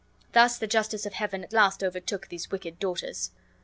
Thus the justice of Heaven at last overtook these wicked daughters.